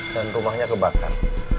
dan rumahnya kebakar